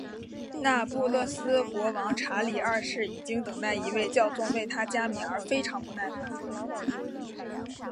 那不勒斯国王查理二世已经等待一位教宗为他加冕而非常不耐烦。